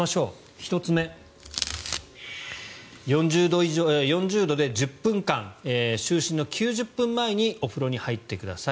１つ目、４０度で１０分間就寝の９０分前にお風呂に入ってください。